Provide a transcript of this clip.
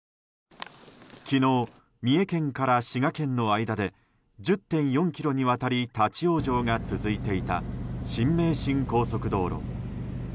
昨日、三重県から滋賀県の間で１０．４ｋｍにわたり立ち往生が続いていた新名神高速道路。